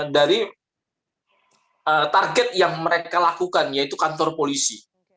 dari target yang mereka lakukan yaitu kantor polisi